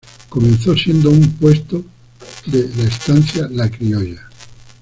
Comenzó siendo un puesto de la Estancia La Criolla.